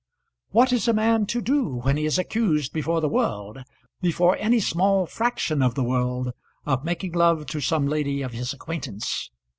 What is a man to do when he is accused before the world, before any small fraction of the world, of making love to some lady of his acquaintance?